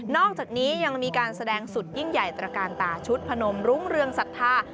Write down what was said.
อกจากนี้ยังมีการแสดงสุดยิ่งใหญ่ตระการตาชุดพนมรุ้งเรืองศรัทธา